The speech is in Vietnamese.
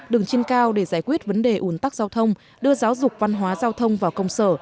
đường trên cao để giải quyết vấn đề ủn tắc giao thông đưa giáo dục văn hóa giao thông vào công sở